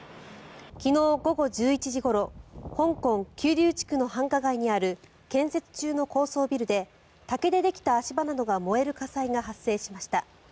昨日午後１１時ごろ香港・九龍地区の繁華街にある建設中の高層ビルで竹でできた足場などが燃える火災が発生しました。